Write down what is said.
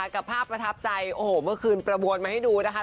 กับภาพประทับใจโอ้โหเมื่อคืนประมวลมาให้ดูนะคะ